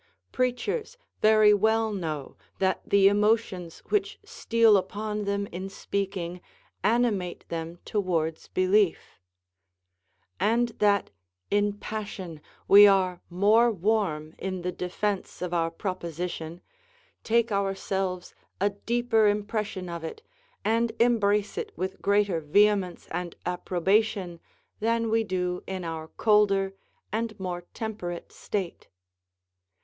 Preachers very well know that the emotions which steal upon them in speaking animate them towards belief; and that in passion we are more warm in the defence of our proposition, take ourselves a deeper impression of it, and embrace it with greater vehemence and approbation than we do in our colder and more temperate state.